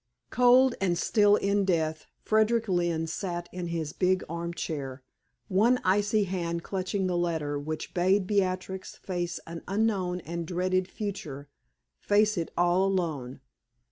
Cold and still in death, Frederick Lynne sat in his big arm chair, one icy hand clutching the letter which bade Beatrix face an unknown and dreaded future face it all alone.